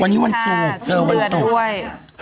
วันนี้วันศุกร์เธอวันศุกร์